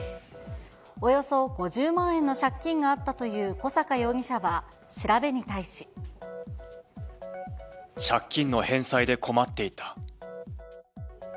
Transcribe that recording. およそ５０万円の借金があったという小阪容疑者は、調べに対し。借金の返済で困っていた。